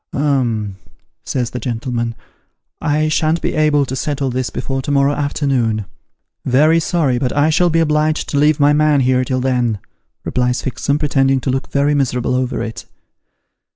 ' Um,' says the gentleman, ' I shan't be able to settle this before to morrow afternoon.' ' Very sorry ; but I shall be obliged to leave my man here till then,' replies Fixem, pretending to look very miserable over it.